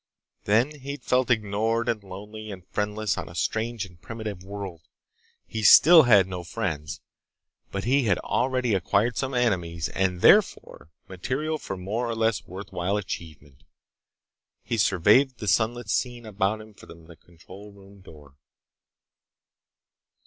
Then he'd felt ignored and lonely and friendless on a strange and primitive world. He still had no friends, but he had already acquired some enemies and therefore material for more or less worthwhile achievement. He surveyed the sunlit scene about him from the control room door.